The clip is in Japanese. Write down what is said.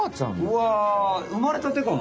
うわ生まれたてかな？